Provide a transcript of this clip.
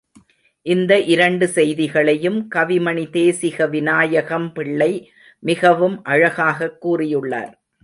இந்த இரண்டு செய்திகளையும் கவிமணி தேசிக விநாயகம்பிள்ளை மிகவும் அழகாகக் கூறியுள்ளார்.